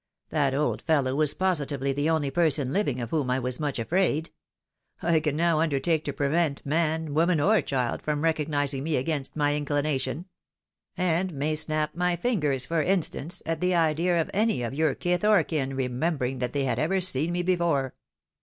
That old feUow was positively the only person living of whom I was much afraid. I can now under take to prevent man, woman, or child, from recognising me against my inclination ; and may snap my fingers, for instance, at the idea of any of your kith or kin remembering that they had ever seen me before.